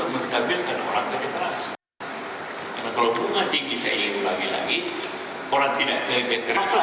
masih terdapat banyak merkus di dunia